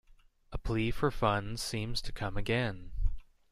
A plea for funds seems to come again.